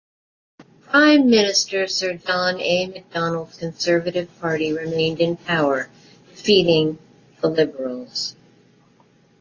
Prime Minister Sir John A. Macdonald's Conservative Party remained in power, defeating the Liberals.